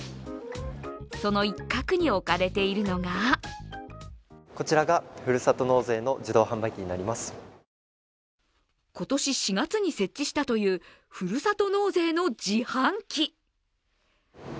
その一角に置かれているのが今年４月に設置したというふるさと納税の自販機。